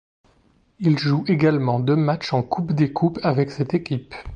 Il joue également deux matchs en Coupe des coupes avec cette équipe.